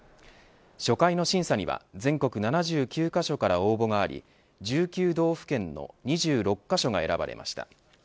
初回の審査には全国７９カ所から応募があり１９道府県の２６カ所が選ばれました。